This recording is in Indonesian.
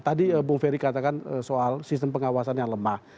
tadi bung ferry katakan soal sistem pengawasan yang lemah